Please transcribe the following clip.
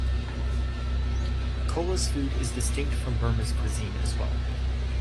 Kola's food is distinct from Burma's Cuisine as well.